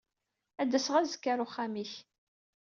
Ad d-aseɣ azekka ɣer uxxam-ik.